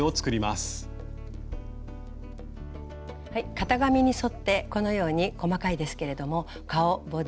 型紙に沿ってこのように細かいですけれども顔ボディーもも後ろ足